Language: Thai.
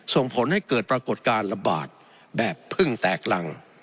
ส่งผลให้เกิดปรากฏการณ์ระบาดแบบพึ่งแตกรัง